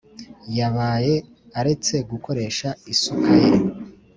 Yabaye aretse gukoresha isuka ye